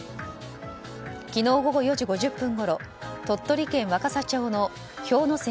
昨日午後４時５０分ごろ鳥取県若桜町の氷ノ